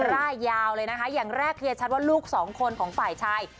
ร่ายยาวเลยนะคะอย่างแรกเคลียร์ชัดว่าลูกสองคนของฝ่ายชาย